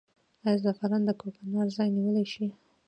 آیا زعفران د کوکنارو ځای نیولی شي؟